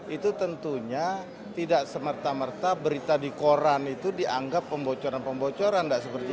itu tentunya tidak semerta merta berita di koran itu dianggap pembocoran pembocoran